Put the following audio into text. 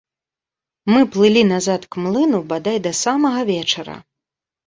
Мы плылі назад к млыну бадай да самага вечара.